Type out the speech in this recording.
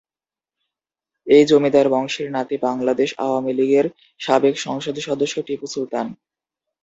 এই জমিদার বংশের নাতি বাংলাদেশ আওয়ামীলীগের সাবেক সংসদ সদস্য টিপু সুলতান।